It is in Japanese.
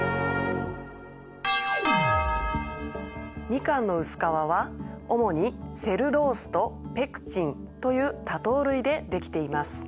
みかんの薄皮は主にセルロースとペクチンという多糖類で出来ています。